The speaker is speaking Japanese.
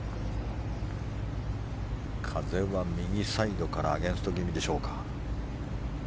風は右サイドからアゲンスト気味でしょうか。